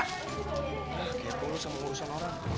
gila kaya pengurusan pengurusan orang